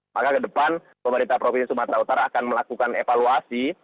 maka ke depan pemerintah provinsi sumatera utara akan melakukan evaluasi